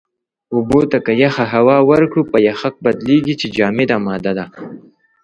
اوبو ته که يخه هوا ورکړو، په يَخٔک بدلېږي چې جامده ماده ده.